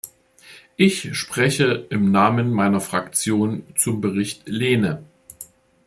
Ich spreche im Namen meiner Fraktion zum Bericht Lehne.